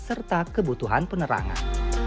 serta kebutuhan penerangan